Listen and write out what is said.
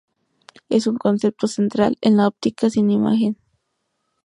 Es un concepto central en la óptica sin imagen.